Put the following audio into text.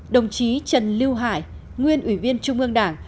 đồng chí trần lưu hải nguyên ủy viên trung ương đảng